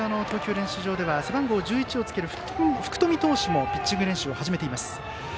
練習場では背番号１１をつける福冨投手もピッチング練習を始めています。